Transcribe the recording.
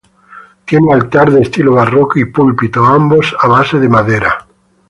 Tiene altar de estilo barroco y púlpito, ambos a base de madera.